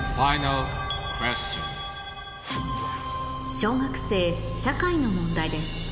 小学生社会の問題です